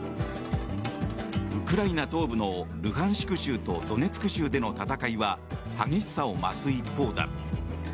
ウクライナ東部のルハンシク州とドネツク州での戦いは激しさを増す一方だ。